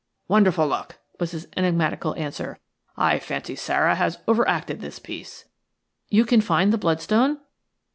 "Wonderful luck," was his enigmatical answer. "I fancy Sara has over acted this piece." "You can find the bloodstone?"